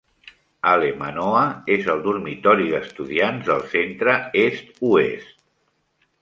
Hale Manoa és el dormitori d'estudiants del Centre Est-Oest.